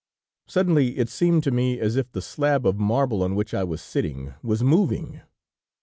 "Suddenly, it seemed to me as if the slab of marble on which I was sitting, was moving.